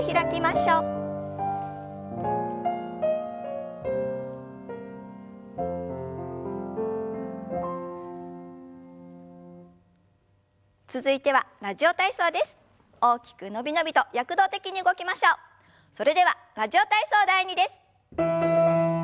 それでは「ラジオ体操第２」です。